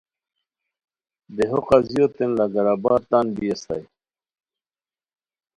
دیہو قاضیوتین لنگر آباد تان بی استائے